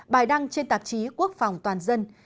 bài đăng trên tạp chí quốc phòng toàn dân